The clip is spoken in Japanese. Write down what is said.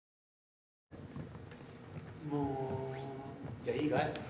「じゃあいいかい？